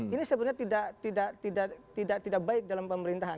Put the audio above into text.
ini sebenarnya tidak baik dalam pemerintahan